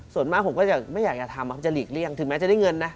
ส่วนมากผมก็จะไม่อยากจะทำจะหลีกเลี่ยงถึงแม้จะได้เงินนะ